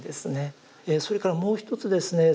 それからもう一つですね